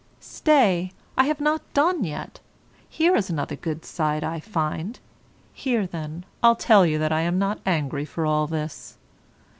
Stay! I have not done yet. Here's another good side, I find; here, then, I'll tell you that I am not angry for all this.